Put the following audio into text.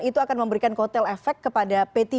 itu akan memberikan kotel efek kepada p tiga